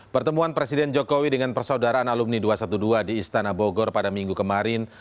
pertemuan presiden jokowi dengan persaudaraan alumni dua ratus dua belas di istana bogor pada minggu kemarin